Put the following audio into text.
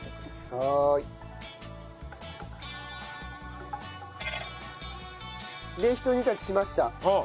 はーい。でひと煮立ちしました。